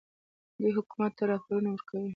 دوی حکومت ته راپورونه ورکوي.